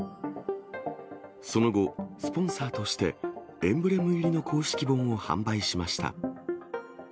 その後、スポンサーとして、エンブレム入りの公式本を販売しました。